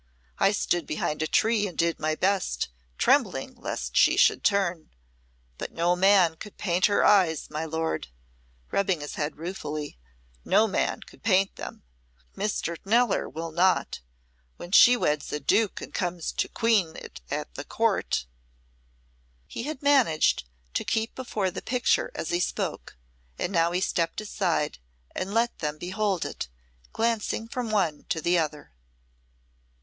I stood behind a tree and did my best, trembling lest she should turn. But no man could paint her eyes, my lord," rubbing his head ruefully; "no man could paint them. Mr. Kneller will not when she weds a Duke and comes to queen it at the Court." He had managed to keep before the picture as he spoke, and now he stepped aside and let them behold it, glancing from one to the other.